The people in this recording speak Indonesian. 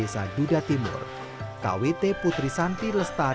selamat menikmati kamar